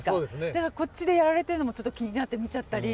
だからこっちでやられてるのもちょっと気になって見ちゃったり。